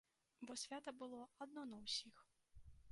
Бо свята было адно на ўсіх.